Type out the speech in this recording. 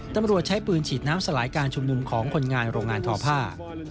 ตำรวจใช้ปืนฉีดน้ำสลายการชุมนุมของคนงานโรงงานทอผ้า